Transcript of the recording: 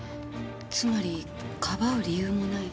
つまり庇う理由もない。